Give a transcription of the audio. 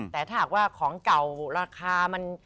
แต่ถ้าหากว่าของเก่าราคามัน